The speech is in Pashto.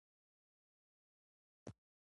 ددې تر څنګ د کندهار ښار د سړکونو